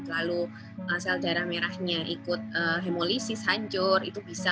lalu sel darah merahnya ikut hemolisis hancur itu bisa